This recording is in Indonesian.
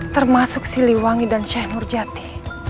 termasuk si liwangi dan sheikh murjati